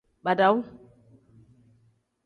Badawu.